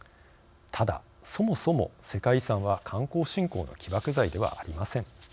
ただ、そもそも世界遺産は観光振興の起爆剤ではありません。